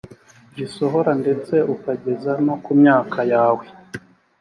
gisohora ndetse ukageza no ku myaka yawe